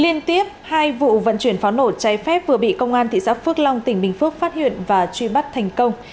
liên tiếp hai vụ vận chuyển pháo nổ cháy phép vừa bị công an thị xã phước long tỉnh bình phước phát hiện và truy bắt thành công